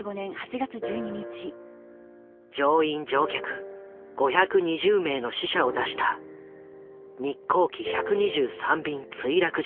乗員・乗客５２０名の死者を出した日航機１２３便墜落事故。